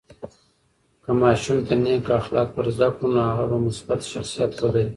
که ماشوم ته نیک اخلاق ورزده کړو، نو هغه به مثبت شخصیت ولري.